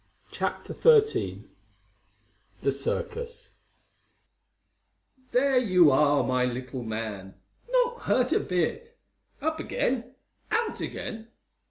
CHAPTER XIII THE CIRCUS "There you are, my little man! Not hurt a bit! Up again! Out again!"